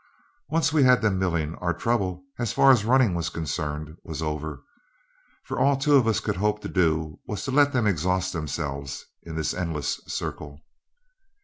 Once we had them milling, our trouble, as far as running was concerned, was over, for all two of us could hope to do was to let them exhaust themselves in this endless circle.